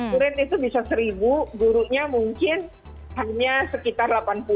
gurun itu bisa seribu gurunya mungkin hanya sekitar delapan puluh